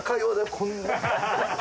こんな。